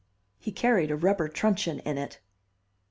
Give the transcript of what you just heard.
He carried a rubber truncheon in it.